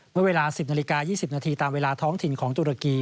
เมื่อเวลา๑๐นาฬิกา๒๐นาทีตามเวลาท้องถิ่นของตุรกี